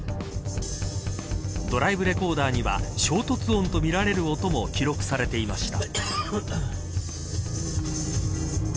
ドライブレコーダーには衝突音とみられる音も記録されていました。